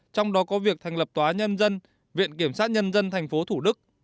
trong đó có việc thành lập tòa nhân dân viện kiểm sát nhân dân thành phố thủ đức